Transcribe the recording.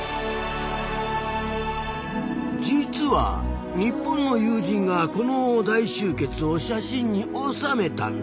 実は日本の友人がこの大集結を写真に収めたんだ。